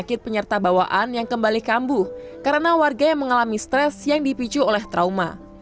penyakit penyerta bawaan yang kembali kambuh karena warga yang mengalami stres yang dipicu oleh trauma